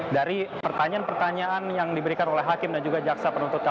dari pertanyaan pertanyaan yang diberikan oleh hakim dan juga jaksa penuntut kpk